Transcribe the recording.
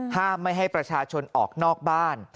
ห้ามไม่ให้ประชาชนออกนอกบ้าน